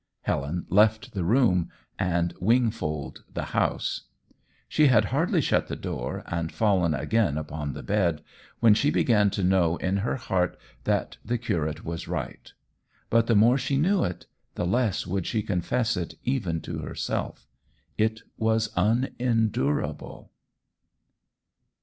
Helen left the room, and Wingfold the house. She had hardly shut the door, and fallen again upon the bed, when she began to know in her heart that the curate was right. But the more she knew it, the less would she confess it even to herself: it was unendurable.